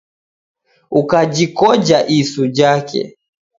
Ukajikoja isu jake.